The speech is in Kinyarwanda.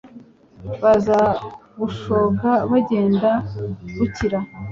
Baza Bushoga bagenda Bukira